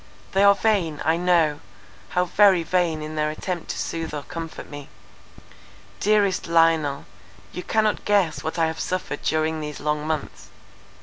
They are vain, I know; how very vain in their attempt to soothe or comfort me. Dearest Lionel, you cannot guess what I have suffered during these long months.